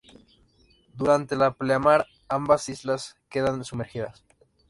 Durante la pleamar, ambas islas quedan sumergidas.